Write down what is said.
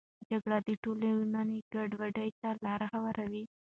جګړه د ټولنې ګډوډي ته لاره هواروي.